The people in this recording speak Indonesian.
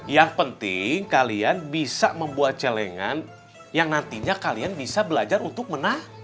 yang penting kalian bisa membuat celengan yang nantinya kalian bisa belajar untuk menang